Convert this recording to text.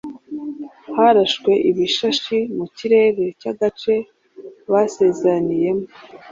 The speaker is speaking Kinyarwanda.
harashwe ibishashi mu kirere cy’agace basezeraniyemo.